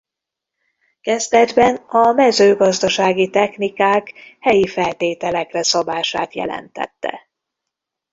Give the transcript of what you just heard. Kezdetben a mezőgazdasági technikák helyi feltételekre szabását jelentette.